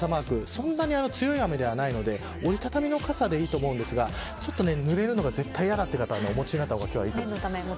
そんなに強い雨ではないので折り畳みの傘でいいと思うんですがぬれるのが絶対に嫌だという方はお持ちになった方がいいと思います。